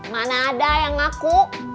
mana ada yang ngaku